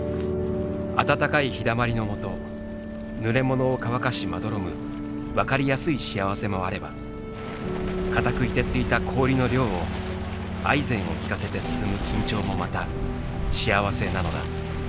暖かい日だまりのもとぬれものを乾かしまどろむ分かりやすい幸せもあればかたくいてついた氷の稜をアイゼンを利かせて進む緊張もまた幸せなのだ。